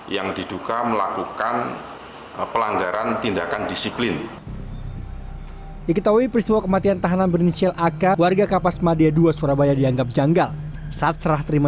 yang diduga melakukan pelanggaran tindakan disiplin